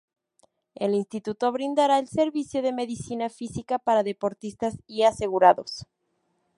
El instituto brindará el servicio de medicina física para deportistas y asegurados.